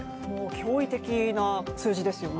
驚異的な数字ですよね。